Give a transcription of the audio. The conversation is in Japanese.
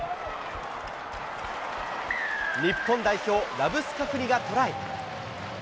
日本代表、ラブスカフニがトライ。